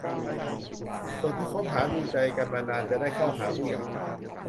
ส่วนถ้าคบหาดูใจกันมานานจะได้เข้าหาผู้ใหญ่